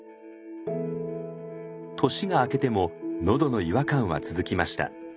年があけてものどの違和感は続きました。